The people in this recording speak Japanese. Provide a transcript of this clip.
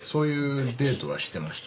そういうデートはしてました。